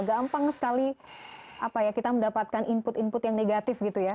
gampang sekali kita mendapatkan input input yang negatif gitu ya